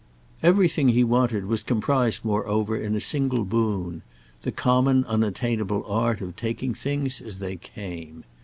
Everything he wanted was comprised moreover in a single boon—the common unattainable art of taking things as they came.